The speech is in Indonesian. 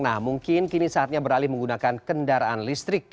nah mungkin kini saatnya beralih menggunakan kendaraan listrik